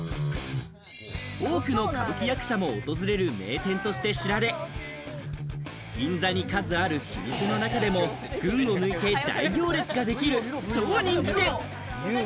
多くの歌舞伎役者も訪れる名店として知られ、銀座に数ある老舗の中でも、群を抜いて大行列ができる超人気店。